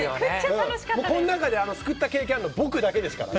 この中ですくった経験があるの僕だけですから。